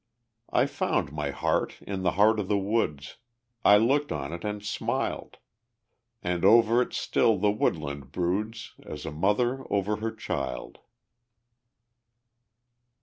I found my heart in the heart of the woods, I looked on it and smiled; And over it still the woodland broods, As a mother over her child.